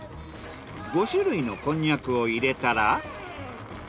５種類のこんにゃくを入れたら。